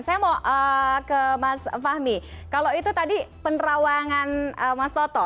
saya mau ke mas fahmi kalau itu tadi penerawangan mas toto